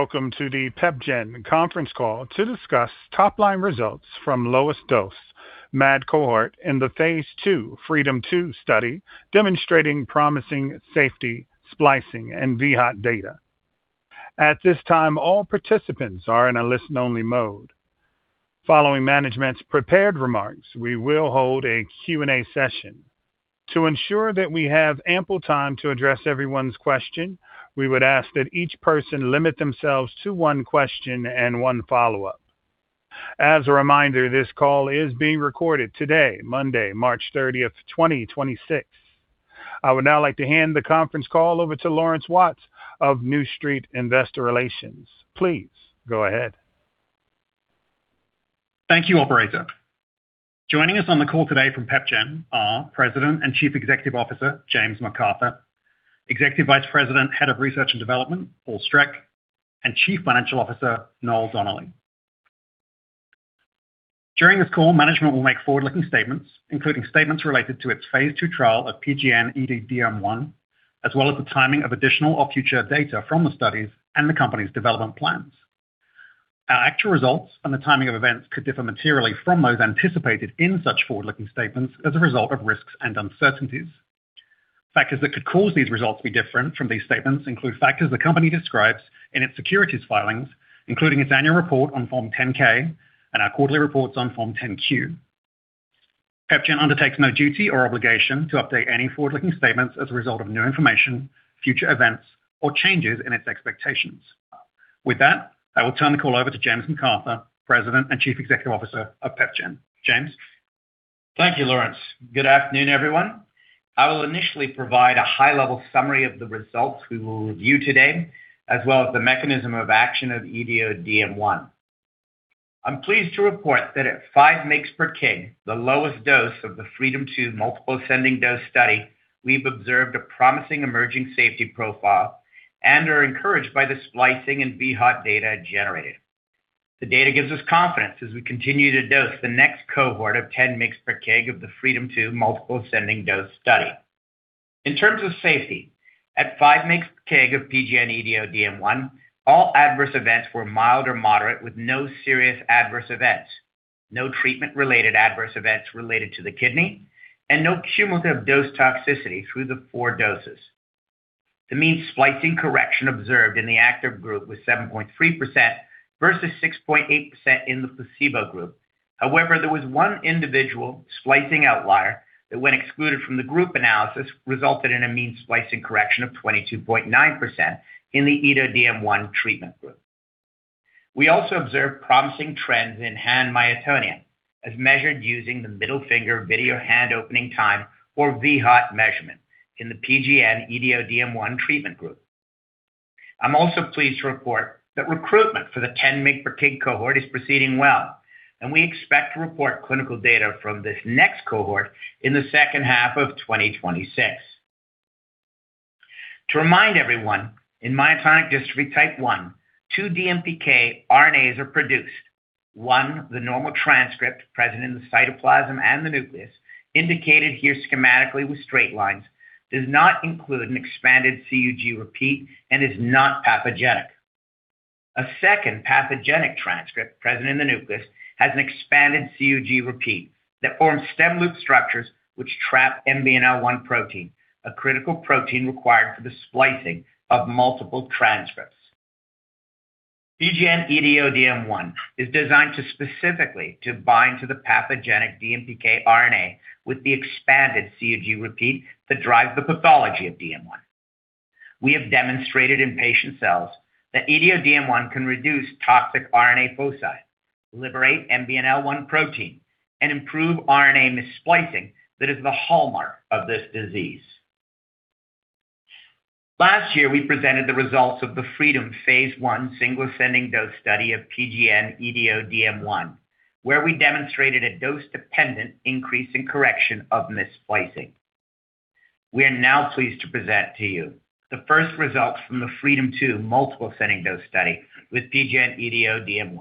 Welcome to the PepGen conference call to discuss top-line results from lowest dose MAD cohort in the phase II FREEDOM2 study demonstrating promising safety, splicing, and vHOT data. At this time, all participants are in a listen-only mode. Following management's prepared remarks, we will hold a Q&A session. To ensure that we have ample time to address everyone's question, we would ask that each person limit themselves to one question and one follow-up. As a reminder, this call is being recorded today, Monday, March thirtieth, 2026. I would now like to hand the conference call over to Laurence Watts of New Street Investor Relations. Please go ahead. Thank you, operator. Joining us on the call today from PepGen are President and Chief Executive Officer James McArthur, Executive Vice President, Head of Research and Development Paul Streck, and Chief Financial Officer Noel Donnelly. During this call, management will make forward-looking statements, including statements related to its phase II trial of PGN-EDODM1, as well as the timing of additional or future data from the studies and the company's development plans. Our actual results and the timing of events could differ materially from those anticipated in such forward-looking statements as a result of risks and uncertainties. Factors that could cause these results to be different from these statements include factors the company describes in its securities filings, including its annual report on Form 10-K and our quarterly reports on Form 10-Q. PepGen undertakes no duty or obligation to update any forward-looking statements as a result of new information, future events, or changes in its expectations. With that, I will turn the call over to James McArthur, President and Chief Executive Officer of PepGen. James. Thank you, Laurence. Good afternoon, everyone. I will initially provide a high-level summary of the results we will review today, as well as the mechanism of action of EDO-DM1. I'm pleased to report that at 5 mg per kg, the lowest dose of the FREEDOM2 multiple ascending dose study, we've observed a promising emerging safety profile and are encouraged by the splicing and vHOT data generated. The data gives us confidence as we continue to dose the next cohort of 10 mg per kg of the FREEDOM2 multiple ascending dose study. In terms of safety, at 5 mg per kg of PGN-EDO-DM1, all adverse events were mild or moderate with no serious adverse events, no treatment-related adverse events related to the kidney, and no cumulative dose toxicity through the four doses. The mean splicing correction observed in the active group was 7.3% versus 6.8% in the placebo group. However, there was one individual splicing outlier that when excluded from the group analysis, resulted in a mean splicing correction of 22.9% in the PGN-EDODM1 treatment group. We also observed promising trends in hand myotonia as measured using the middle finger video hand opening time or vHOT measurement in the PGN-EDODM1 treatment group. I'm also pleased to report that recruitment for the 10 mg/kg cohort is proceeding well, and we expect to report clinical data from this next cohort in the H2 of 2026. To remind everyone, in myotonic dystrophy type 1, 2 DMPK RNAs are produced. One, the normal transcript present in the cytoplasm and the nucleus, indicated here schematically with straight lines, does not include an expanded CUG repeat and is not pathogenic. A second pathogenic transcript present in the nucleus has an expanded CUG repeat that forms stem loop structures which trap MBNL1 protein, a critical protein required for the splicing of multiple transcripts. PGN-EDODM1 is designed to specifically to bind to the pathogenic DMPK RNA with the expanded CUG repeat that drives the pathology of DM1. We have demonstrated in patient cells that EDODM1 can reduce toxic RNA foci, liberate MBNL1 protein, and improve RNA mis-splicing that is the hallmark of this disease. Last year, we presented the results of the FREEDOM phase I single ascending dose study of PGN-EDODM1, where we demonstrated a dose-dependent increase in correction of mis-splicing. We are now pleased to present to you the first results from the FREEDOM2 multiple ascending dose study with PGN-EDODM1.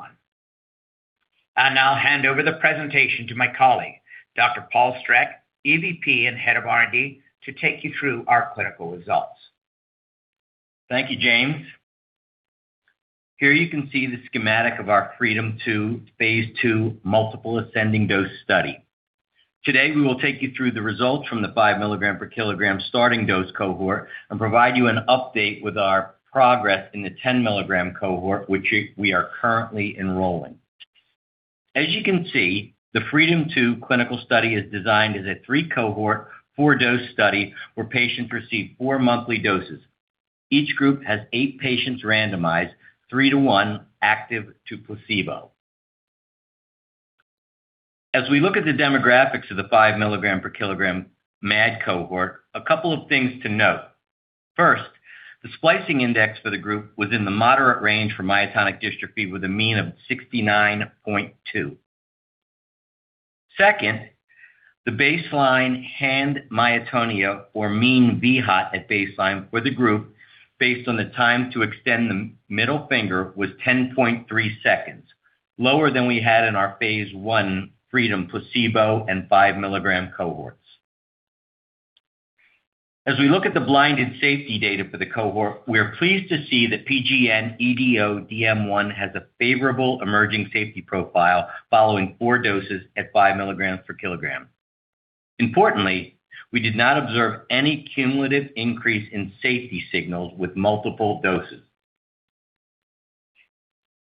I'll now hand over the presentation to my colleague, Dr. Paul Streck, EVP and Head of R&D, to take you through our clinical results. Thank you, James. Here you can see the schematic of our FREEDOM2 phase II multiple ascending dose study. Today, we will take you through the results from the 5 mg/kg starting dose cohort and provide you an update with our progress in the 10-mg cohort, which we are currently enrolling. As you can see, the FREEDOM2 clinical study is designed as a 3-cohort, 4-dose study where patients receive four monthly doses. Each group has eight patients randomized 3-to-1 active to placebo. As we look at the demographics of the 5 mg/kg MAD cohort, a couple of things to note. First, the Splice Index for the group was in the moderate range for myotonic dystrophy with a mean of 69.2. Second, the baseline hand myotonia or mean vHOT at baseline for the group based on the time to extend the middle finger was 10.3 seconds, lower than we had in our phase I FREEDOM placebo and 5-milligram cohorts. As we look at the blinded safety data for the cohort, we are pleased to see that PGN-EDODM1 has a favorable emerging safety profile following 4 doses at 5 milligrams per kilogram. Importantly, we did not observe any cumulative increase in safety signals with multiple doses.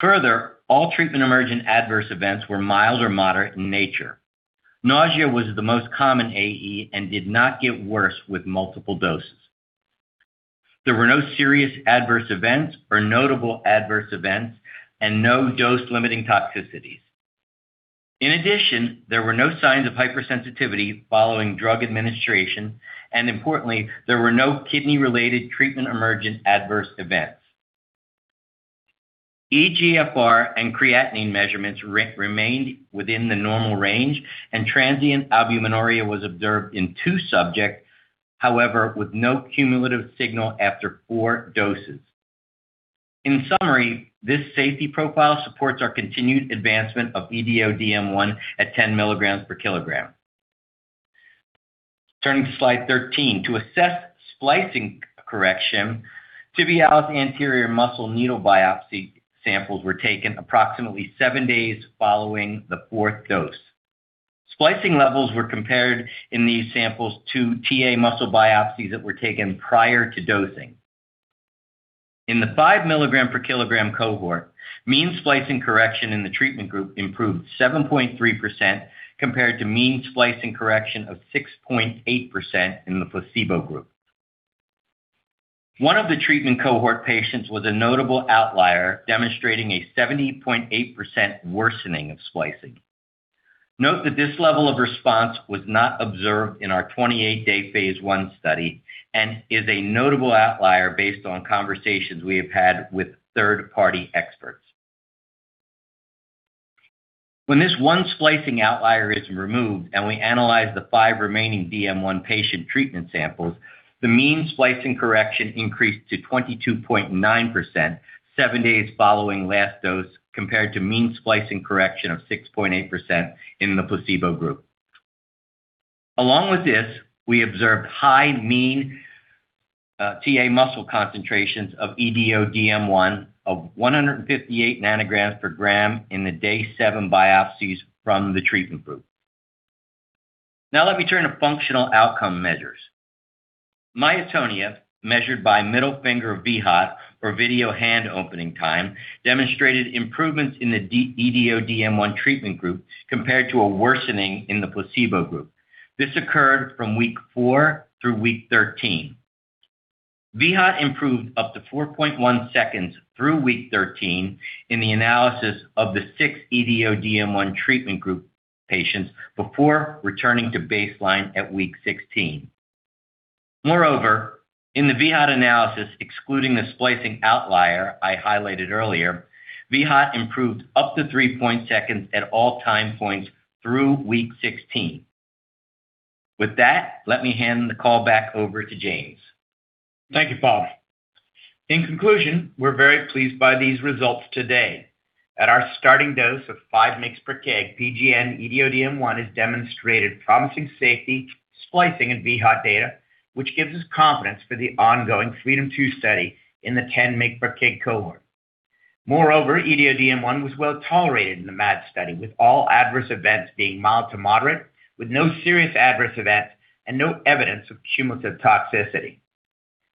Further, all treatment-emergent adverse events were mild or moderate in nature. Nausea was the most common AE and did not get worse with multiple doses. There were no serious adverse events or notable adverse events and no dose-limiting toxicities. In addition, there were no signs of hypersensitivity following drug administration, and importantly, there were no kidney-related treatment-emergent adverse events. eGFR and creatinine measurements remained within the normal range, and transient albuminuria was observed in two subjects, however, with no cumulative signal after four doses. In summary, this safety profile supports our continued advancement of EDODM1 at 10 milligrams per kilogram. Turning to slide 13. To assess splicing correction, tibialis anterior muscle needle biopsy samples were taken approximately seven days following the fourth dose. Splicing levels were compared in these samples to TA muscle biopsies that were taken prior to dosing. In the 5 mg/kg cohort, mean splicing correction in the treatment group improved 7.3% compared to mean splicing correction of 6.8% in the placebo group. One of the treatment cohort patients was a notable outlier, demonstrating a 70.8% worsening of splicing. Note that this level of response was not observed in our 28-day phase I study and is a notable outlier based on conversations we have had with third-party experts. When this one splicing outlier is removed and we analyze the five remaining DM1 patient treatment samples, the mean splicing correction increased to 22.9% 7 days following last dose, compared to mean splicing correction of 6.8% in the placebo group. Along with this, we observed high mean TA muscle concentrations of EDODM1 of 158 nanograms per gram in the day seven biopsies from the treatment group. Now let me turn to functional outcome measures. Myotonia, measured by middle finger vHOT, or video hand opening time, demonstrated improvements in the EDODM1 treatment group compared to a worsening in the placebo group. This occurred from week four through week 13. vHOT improved up to 4.1 seconds through week 13 in the analysis of the 6 EDODM1 treatment group patients before returning to baseline at week 16. Moreover, in the VHOT analysis, excluding the splicing outlier I highlighted earlier, VHOT improved up to three seconds at all time points through week 16. With that, let me hand the call back over to James. Thank you, Paul. In conclusion, we're very pleased by these results today. At our starting dose of 5 mg per kg, PGN-EDODM1 has demonstrated promising safety, splicing, and VHOT data, which gives us confidence for the ongoing FREEDOM2 study in the 10 mg per kg cohort. Moreover, EDODM1 was well-tolerated in the MAD study, with all adverse events being mild to moderate, with no serious adverse events and no evidence of cumulative toxicity.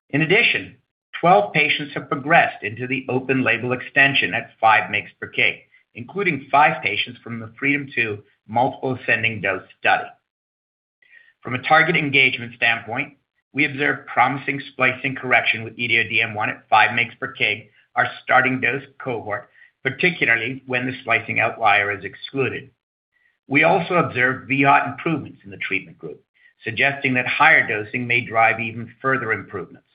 In addition, 12 patients have progressed into the open-label extension at 5 mg per kg, including five patients from the FREEDOM2 multiple ascending dose study. From a target engagement standpoint, we observed promising splicing correction with EDODM1 at 5 mg per kg, our starting dose cohort, particularly when the splicing outlier is excluded. We also observed vHOT improvements in the treatment group, suggesting that higher dosing may drive even further improvements.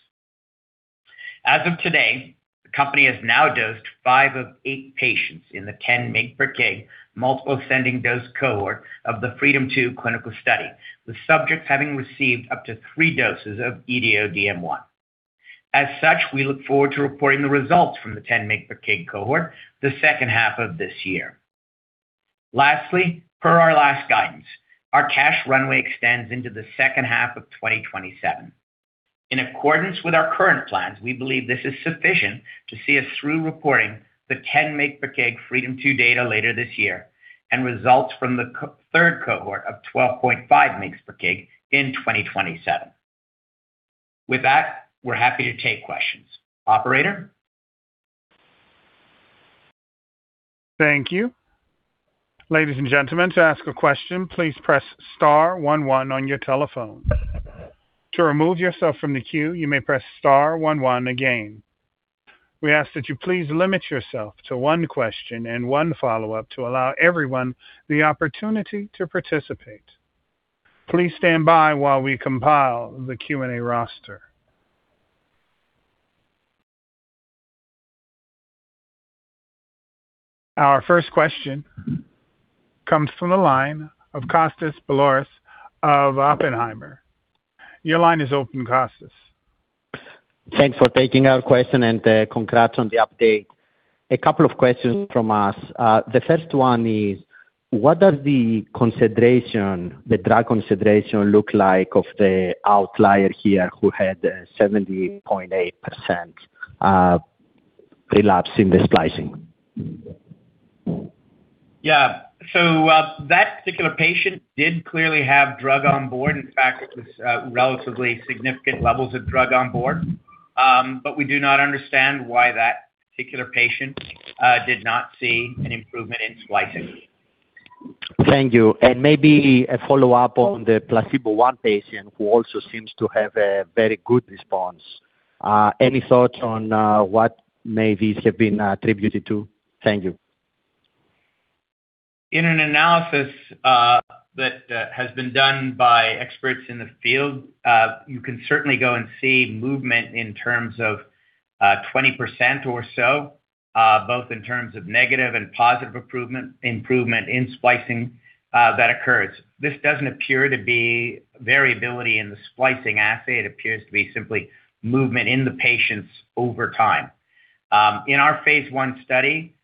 As of today, the company has now dosed five of eight patients in the 10 mg per kg multiple ascending dose cohort of the FREEDOM2 clinical study, with subjects having received up to three doses of EDODM1. As such, we look forward to reporting the results from the 10 mg per kg cohort the second half of this year. Lastly, per our last guidance, our cash runway extends into the H2 of 2027. In accordance with our current plans, we believe this is sufficient to see us through reporting the 10 mg per kg FREEDOM2 data later this year and results from the third cohort of 12.5 mg per kg in 2027. With that, we're happy to take questions. Operator? Thank you. Ladies and gentlemen, to ask a question, please press star one one on your telephone. To remove yourself from the queue, you may press star one one again. We ask that you please limit yourself to one question and one follow-up to allow everyone the opportunity to participate. Please stand by while we compile the Q&A roster. Our first question comes from the line of Kostas Biliouris of Oppenheimer. Your line is open, Kostas. Thanks for taking our question and, congrats on the update. A couple of questions from us. The first one is what does the concentration, the drug concentration look like of the outlier here who had 70.8% relapse in the splicing? Yeah. That particular patient did clearly have drug on board. In fact, it was relatively significant levels of drug on board. We do not understand why that particular patient did not see an improvement in splicing. Thank you. Maybe a follow-up on the placebo one patient who also seems to have a very good response. Any thoughts on what may this have been attributed to? Thank you. In an analysis that has been done by experts in the field, you can certainly go and see movement in terms of 20% or so, both in terms of negative and positive improvement in splicing that occurs. This doesn't appear to be variability in the splicing assay. It appears to be simply movement in the patients over time. In our phase I study,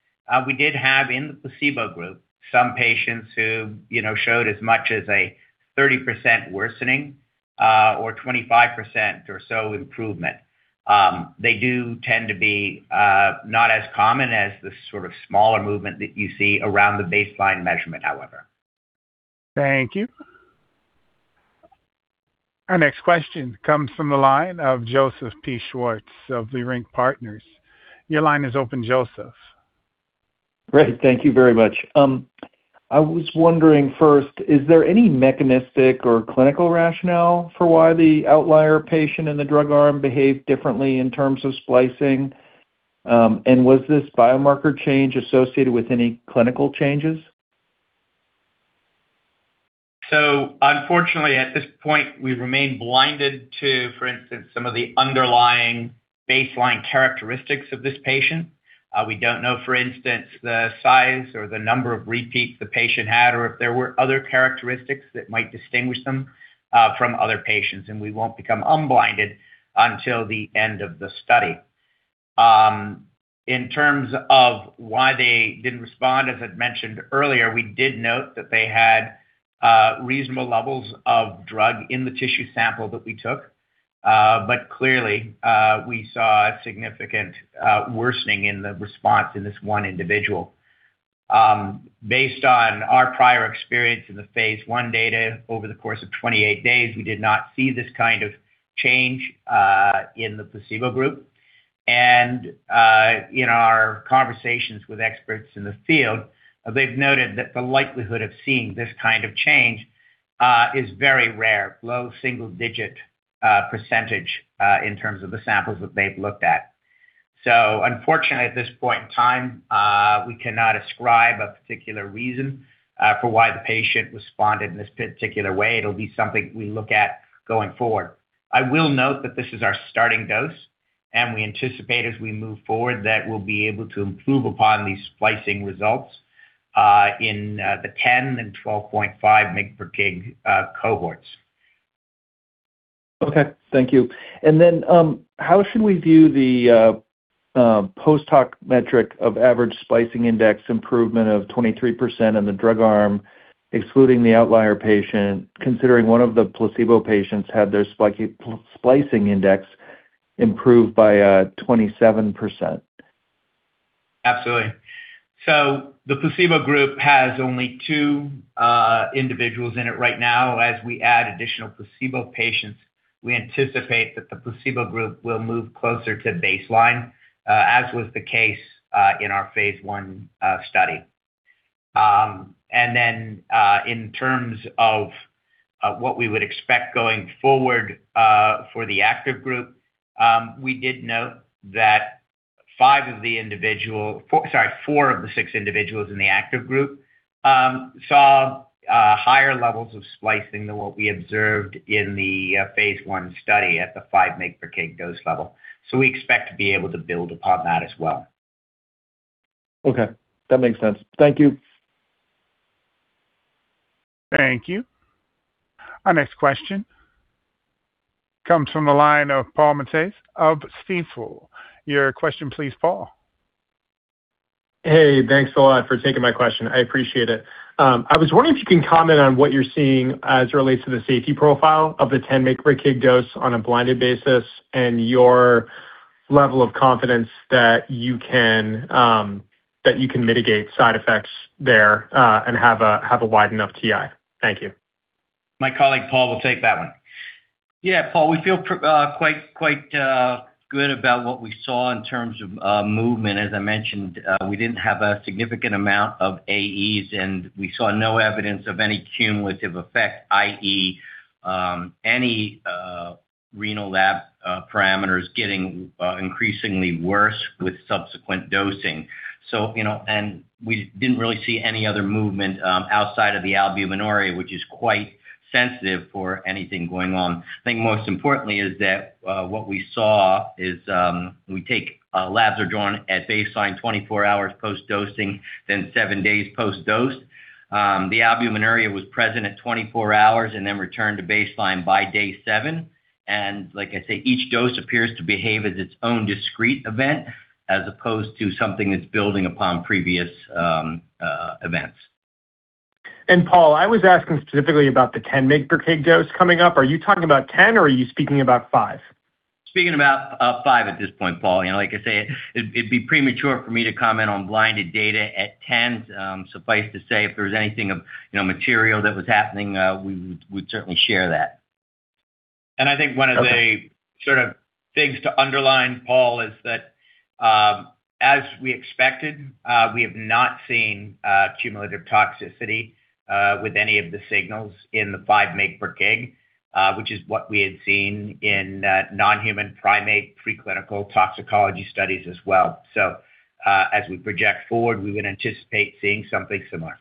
we did have in the placebo group some patients who, you know, showed as much as a 30% worsening, or 25% or so improvement. They do tend to be not as common as the sort of smaller movement that you see around the baseline measurement, however. Thank you. Our next question comes from the line of Joseph P. Schwartz of Leerink Partners. Your line is open, Joseph. Great. Thank you very much. I was wondering first, is there any mechanistic or clinical rationale for why the outlier patient in the drug arm behaved differently in terms of splicing? Was this biomarker change associated with any clinical changes? Unfortunately, at this point, we remain blinded to, for instance, some of the underlying baseline characteristics of this patient. We don't know, for instance, the size or the number of repeats the patient had or if there were other characteristics that might distinguish them from other patients, and we won't become unblinded until the end of the study. In terms of why they didn't respond, as I'd mentioned earlier, we did note that they had reasonable levels of drug in the tissue sample that we took. Clearly, we saw a significant worsening in the response in this one individual. Based on our prior experience in the phase I data over the course of 28 days, we did not see this kind of change in the placebo group. In our conversations with experts in the field, they've noted that the likelihood of seeing this kind of change is very rare, low single-digit %, in terms of the samples that they've looked at. Unfortunately, at this point in time, we cannot ascribe a particular reason for why the patient responded in this particular way. It'll be something we look at going forward. I will note that this is our starting dose, and we anticipate as we move forward that we'll be able to improve upon these splicing results in the 10 and 12.5 mg per kg cohorts. Okay. Thank you. How should we view the post-hoc metric of average Splice Index improvement of 23% in the drug arm, excluding the outlier patient, considering one of the placebo patients had their Splice Index improved by 27%? Absolutely. The placebo group has only 2 individuals in it right now. As we add additional placebo patients, we anticipate that the placebo group will move closer to baseline, as was the case, in our phase I study. In terms of what we would expect going forward for the active group, we did note that 4 of the 6 individuals in the active group saw higher levels of splicing than what we observed in the phase I study at the 5 mg per kg dose level. We expect to be able to build upon that as well. Okay. That makes sense. Thank you. Thank you. Our next question comes from the line of Paul Matteis of Stifel. Your question, please, Paul. Hey. Thanks a lot for taking my question. I appreciate it. I was wondering if you can comment on what you're seeing as it relates to the safety profile of the 10 mg per kg dose on a blinded basis and your level of confidence that you can mitigate side effects there and have a wide enough TI. Thank you. My colleague, Paul, will take that one. Yeah. Paul, we feel quite good about what we saw in terms of movement. As I mentioned, we didn't have a significant amount of AEs, and we saw no evidence of any cumulative effect, i.e., any renal lab parameters getting increasingly worse with subsequent dosing. You know, we didn't really see any other movement outside of the albuminuria, which is quite sensitive for anything going on. I think most importantly is that what we saw is labs are drawn at baseline 24 hours post-dosing, then 7 days post-dose. The albuminuria was present at 24 hours and then returned to baseline by day 7. Like I say, each dose appears to behave as its own discrete event as opposed to something that's building upon previous events. Paul, I was asking specifically about the 10 mg per kg dose coming up. Are you talking about 10 or are you speaking about 5? Speaking about 5 at this point, Paul. You know, like I say, it it'd be premature for me to comment on blinded data at 10. Suffice to say, if there's anything of, you know, material that was happening, we'd certainly share that. I think one of the sort of things to underline, Paul, is that, as we expected, we have not seen cumulative toxicity with any of the signals in the 5 mg per kg, which is what we had seen in non-human primate preclinical toxicology studies as well. As we project forward, we would anticipate seeing something similar.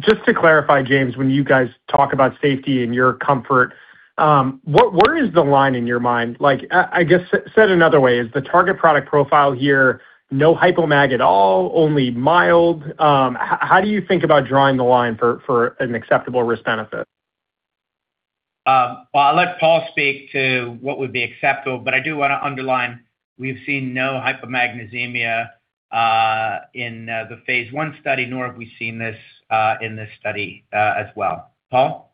Just to clarify, James, when you guys talk about safety and your comfort, what, where is the line in your mind? Like, I guess said another way, is the target product profile here, no hypomagnesemia at all, only mild? How do you think about drawing the line for an acceptable risk benefit? Well, I'll let Paul speak to what would be acceptable, but I do wanna underline, we've seen no hypomagnesemia in the phase I study, nor have we seen this in this study as well. Paul?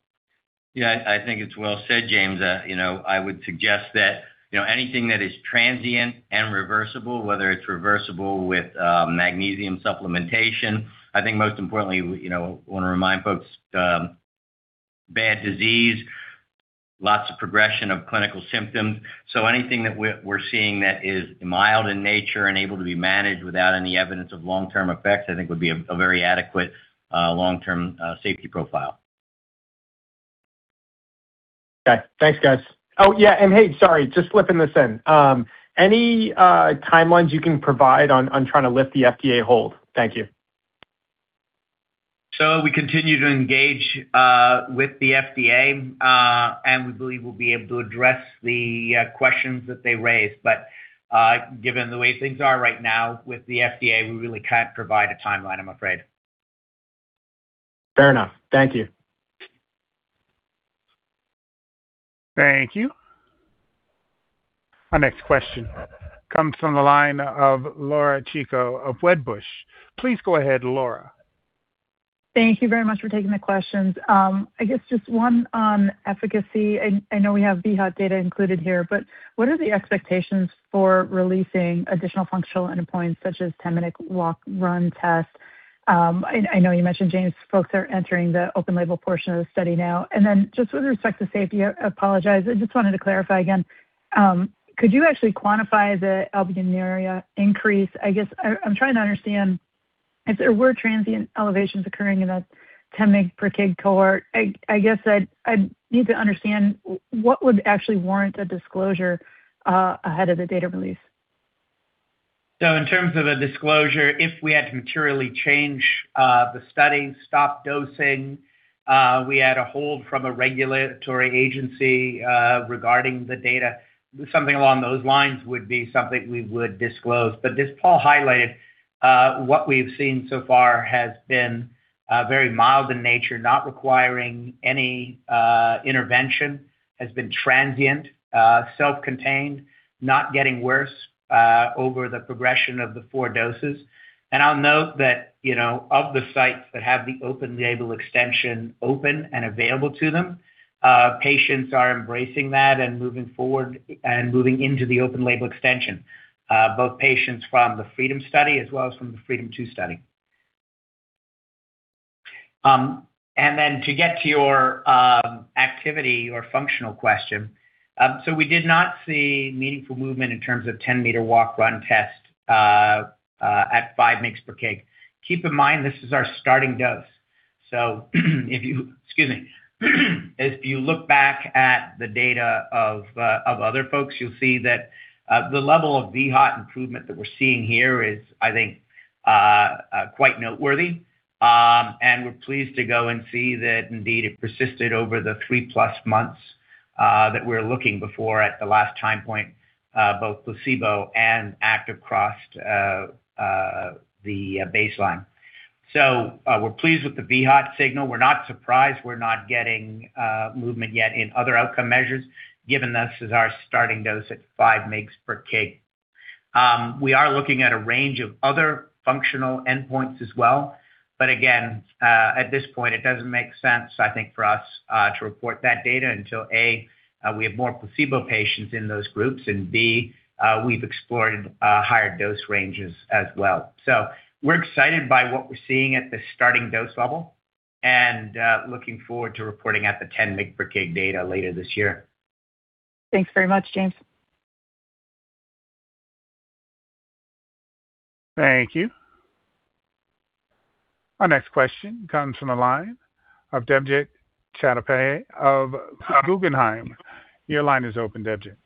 Yeah. I think it's well said, James. You know, I would suggest that, you know, anything that is transient and reversible, whether it's reversible with magnesium supplementation. I think most importantly, you know, wanna remind folks, bad disease, lots of progression of clinical symptoms. Anything that we're seeing that is mild in nature and able to be managed without any evidence of long-term effects, I think would be a very adequate long-term safety profile. Okay. Thanks, guys. Oh, yeah, and hey, sorry, just slipping this in. Any timelines you can provide on trying to lift the FDA hold? Thank you. We continue to engage with the FDA, and we believe we'll be able to address the questions that they raised. Given the way things are right now with the FDA, we really can't provide a timeline, I'm afraid. Fair enough. Thank you. Thank you. Our next question comes from the line of Laura Chico of Wedbush. Please go ahead, Laura. Thank you very much for taking the questions. I guess just one on efficacy. I know we have vHOT data included here, but what are the expectations for releasing additional functional endpoints such as 10-meter walk/run test? I know you mentioned, James, folks are entering the open-label portion of the study now. Then just with respect to safety, I apologize, I just wanted to clarify again, could you actually quantify the albuminuria increase? I guess I'm trying to understand if there were transient elevations occurring in a 10 mg per kg cohort, I'd need to understand what would actually warrant a disclosure ahead of the data release. In terms of a disclosure, if we had to materially change the study, stop dosing, we had a hold from a regulatory agency regarding the data, something along those lines would be something we would disclose. As Paul highlighted, what we've seen so far has been very mild in nature, not requiring any intervention, has been transient, self-contained, not getting worse over the progression of the four doses. I'll note that, you know, of the sites that have the open-label extension open and available to them, patients are embracing that and moving forward and moving into the open-label extension, both patients from the FREEDOM study as well as from the FREEDOM2 study. To get to your activity or functional question, we did not see meaningful movement in terms of 10-meter walk/run test at 5 mg/kg. Keep in mind this is our starting dose. If you look back at the data of other folks, you'll see that the level of vHOT improvement that we're seeing here is, I think, quite noteworthy. We're pleased to go and see that indeed, it persisted over the 3+ months that we're looking before at the last time point, both placebo and active crossed the baseline. We're pleased with the vHOT signal. We're not surprised we're not getting movement yet in other outcome measures, given this is our starting dose at 5 mg/kg. We are looking at a range of other functional endpoints as well, but again, at this point, it doesn't make sense, I think, for us, to report that data until A, we have more placebo patients in those groups, and B, we've explored, higher dose ranges as well. We're excited by what we're seeing at the starting dose level and, looking forward to reporting at the 10 mg per kg data later this year. Thanks very much, James. Thank you. Our next question comes from the line of Debjit Chattopadhyay of Guggenheim. Your line is open, Debjit.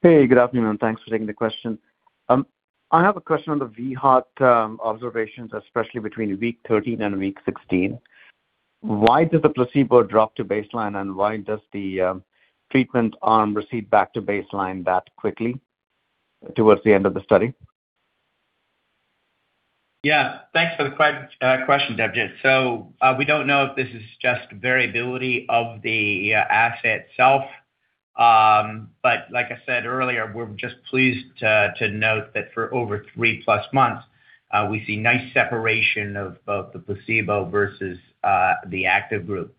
Hey, good afternoon, and thanks for taking the question. I have a question on the vHOT observations, especially between week 13 and week 16. Why did the placebo drop to baseline, and why does the treatment arm recede back to baseline that quickly towards the end of the study? Yeah. Thanks for the question, Debjit Chattopadhyay. We don't know if this is just variability of the assay itself. Like I said earlier, we're just pleased to note that for over three-plus months, we see nice separation of both the placebo versus the active group.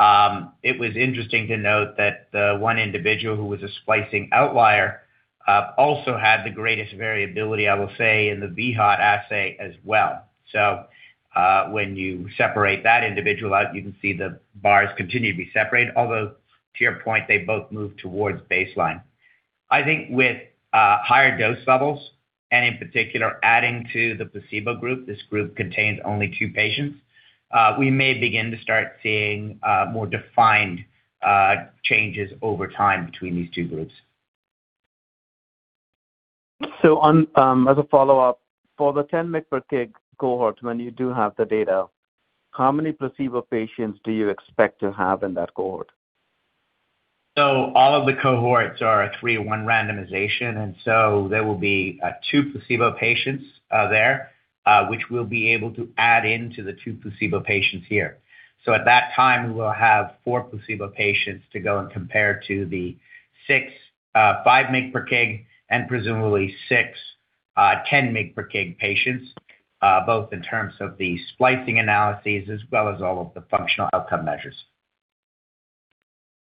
It was interesting to note that the one individual who was a splicing outlier also had the greatest variability, I will say, in the BHAT assay as well. When you separate that individual out, you can see the bars continue to be separated, although to your point, they both move towards baseline. I think with higher dose levels, and in particular adding to the placebo group, this group contains only two patients, we may begin to start seeing more defined changes over time between these two groups. On, as a follow-up, for the 10 mg/kg cohort, when you do have the data, how many placebo patients do you expect to have in that cohort? All of the cohorts are a 3-to-1 randomization, and there will be TWO placebo patients there, which we'll be able to add into the 2 placebo patients here. At that time, we will have 4 placebo patients to go and compare to the six 5 mg per kg and presumably six 10 mg per kg patients, both in terms of the splicing analyses as well as all of the functional outcome measures.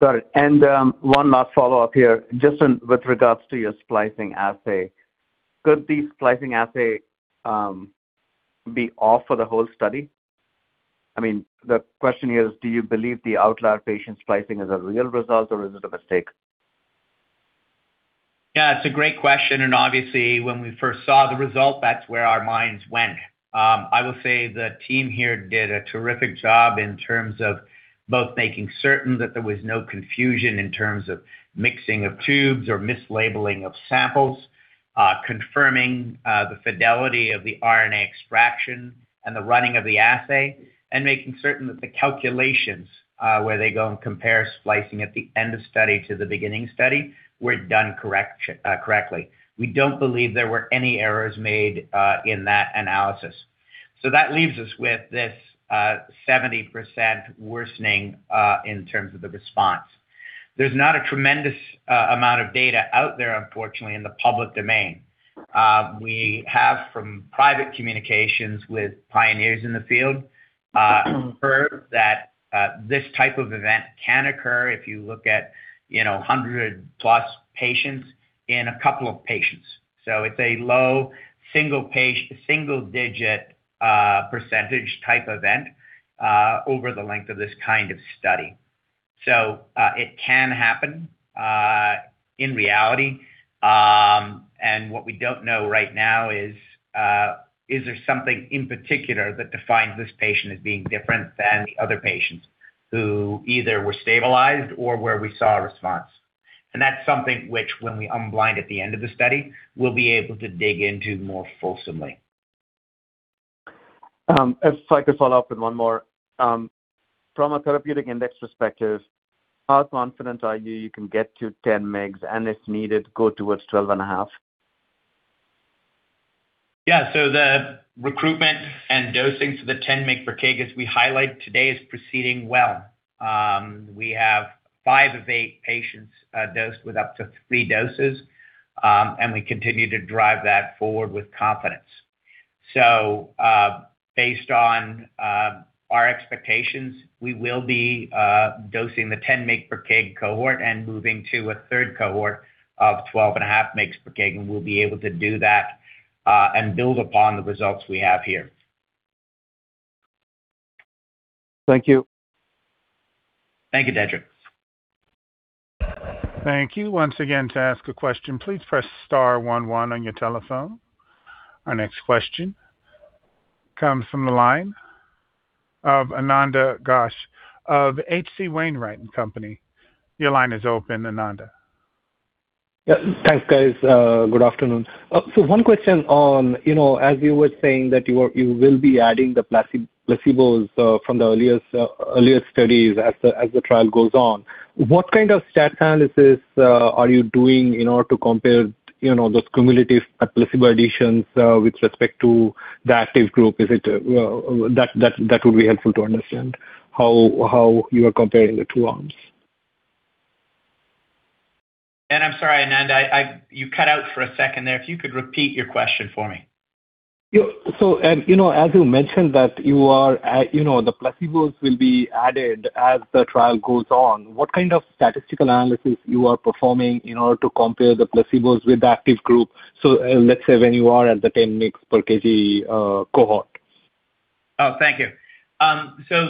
Got it. One last follow-up here. Just in with regards to your splicing assay, could the splicing assay be off for the whole study? I mean, the question here is, do you believe the outlier patient splicing is a real result, or is it a mistake? Yeah, it's a great question. Obviously, when we first saw the result, that's where our minds went. I will say the team here did a terrific job in terms of both making certain that there was no confusion in terms of mixing of tubes or mislabeling of samples, confirming the fidelity of the RNA extraction and the running of the assay, and making certain that the calculations, where they go and compare splicing at the end of study to the beginning study were done correctly. We don't believe there were any errors made in that analysis. That leaves us with this 70% worsening in terms of the response. There's not a tremendous amount of data out there, unfortunately, in the public domain. We have from private communications with pioneers in the field heard that this type of event can occur if you look at, you know, 100+ patients in a couple of patients. It's a low single-digit percentage-type event over the length of this kind of study. It can happen in reality. What we don't know right now is there something in particular that defines this patient as being different than the other patients who either were stabilized or where we saw a response. That's something which, when we unblind at the end of the study, we'll be able to dig into more fulsomely. If I could follow up with one more. From a therapeutic index perspective, how confident are you you can get to 10 mg and, if needed, go towards 12.5? Yeah. The recruitment and dosing for the 10 mg per kg as we highlight today is proceeding well. We have 5 of 8 patients dosed with up to 3 doses, and we continue to drive that forward with confidence. Based on our expectations, we will be dosing the 10 mg per kg cohort and moving to a third cohort of 12.5 mg per kg, and we'll be able to do that and build upon the results we have here. Thank you. Thank you, Debjit Chattopadhyay. Our next question comes from the line of Ananda Ghosh of H.C. Wainwright & Company. Your line is open, Ananda. Yeah. Thanks, guys. Good afternoon. One question on, you know, as you were saying that you will be adding the placebos from the earliest earlier studies as the trial goes on, what kind of stat analysis are you doing in order to compare, you know, those cumulative placebo additions with respect to the active group? Is it that would be helpful to understand how you are comparing the two arms. I'm sorry, Ananda, you cut out for a second there. If you could repeat your question for me. As you mentioned that you are at, you know, the placebos will be added as the trial goes on, what kind of statistical analysis you are performing in order to compare the placebos with the active group, let's say when you are at the 10 mg per kg cohort? Thank you.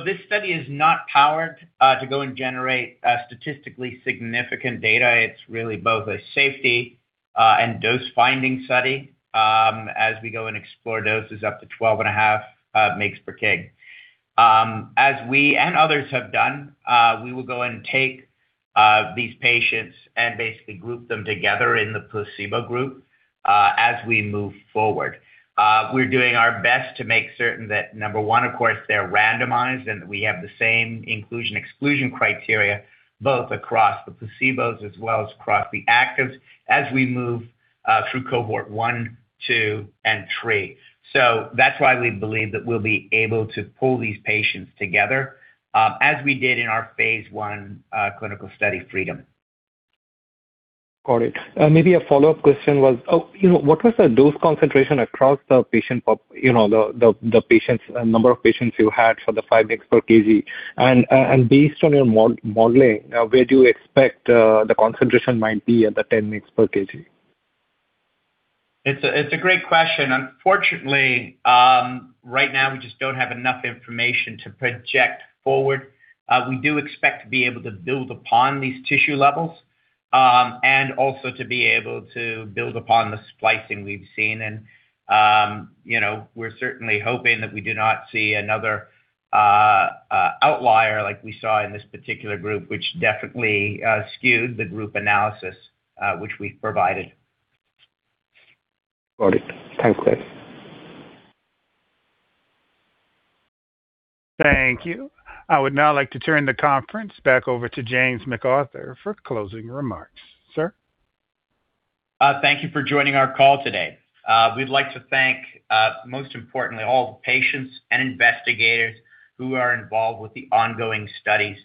This study is not powered to go and generate statistically significant data. It's really both a safety and dose-finding study as we go and explore doses up to 12.5 mg per kg. As we and others have done, we will go and take these patients and basically group them together in the placebo group as we move forward. We're doing our best to make certain that number one, of course, they're randomized and that we have the same inclusion/exclusion criteria both across the placebos as well as across the actives as we move through cohort 1, 2, and 3. That's why we believe that we'll be able to pull these patients together as we did in our phase I clinical study, FREEDOM. Got it. Maybe a follow-up question was, what was the dose concentration across the patient population, the number of patients you had for the 5 mg per kg? Based on your modeling, where do you expect the concentration might be at the 10 mg per kg? It's a great question. Unfortunately, right now we just don't have enough information to project forward. We do expect to be able to build upon these tissue levels, and also to be able to build upon the splicing we've seen. You know, we're certainly hoping that we do not see another outlier like we saw in this particular group, which definitely skewed the group analysis, which we've provided. Got it. Thanks. Thank you. I would now like to turn the conference back over to James McArthur for closing remarks. Sir? Thank you for joining our call today. We'd like to thank, most importantly, all the patients and investigators who are involved with the ongoing studies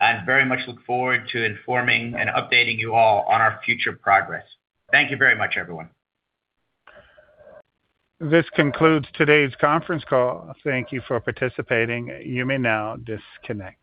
and very much look forward to informing and updating you all on our future progress. Thank you very much, everyone. This concludes today's conference call. Thank you for participating. You may now disconnect.